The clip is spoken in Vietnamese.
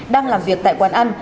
đang làm việc tại quán ăn